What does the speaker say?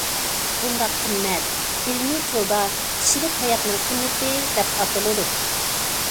بۇنداق قىممەت ئىلمىي تىلدا كىشىلىك ھاياتنىڭ قىممىتى، دەپ ئاتىلىدۇ.